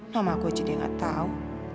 nama aku aja dia gak tau